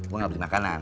gue gak peduli makanan